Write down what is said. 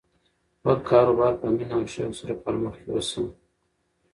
خپل کاروبار په مینه او شوق سره پرمخ یوسه.